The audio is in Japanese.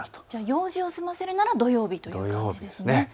用事を済ませるなら土曜日という感じですね。